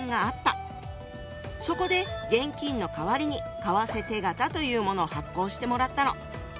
そこで現金の代わりに「為替手形」というものを発行してもらったの。